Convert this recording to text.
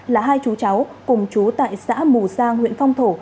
là hai chú cháu cùng chú tại xã mù sang huyện phong thổ